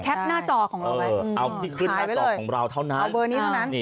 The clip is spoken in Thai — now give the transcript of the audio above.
แค๊ปหน้าจอของเราไป